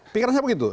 pikiran saya begitu